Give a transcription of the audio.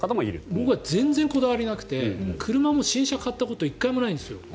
僕は全然なくて車も新車を買ったことが１回もないんですよ。